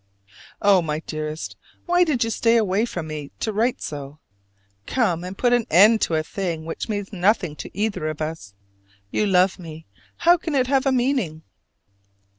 Oh, my dearest, why did you stay away from me to write so? Come and put an end to a thing which means nothing to either of us. You love me: how can it have a meaning?